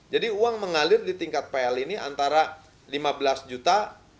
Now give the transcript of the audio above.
jadi uang mengalir di tingkat pl ini antara rp lima belas juta